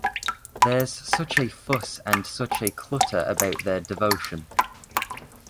There's such a fuss and such a clutter about their devotion.